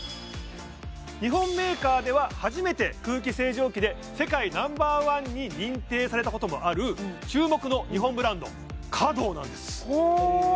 日本メーカーでは初めて空気清浄機で世界Ｎｏ．１に認定されたこともある注目の日本ブランドｃａｄｏなんです